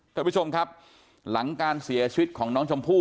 ท่านผู้ชมครับหลังการเสียชีวิตของน้องชมพู่